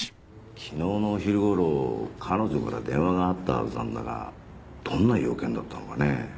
昨日のお昼頃彼女から電話があったはずなんだがどんな用件だったのかね？